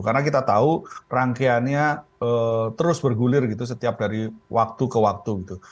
karena kita tahu rangkaiannya terus bergulir gitu setiap dari waktu ke waktu gitu